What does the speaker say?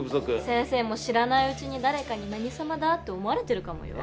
先生も知らないうちに誰かに「何様だ」って思われてるかもよ。